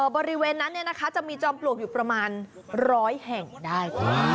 บริเวณนั้นจะมีจอมปลวกอยู่ประมาณ๑๐๐แห่งได้